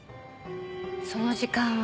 その時間は。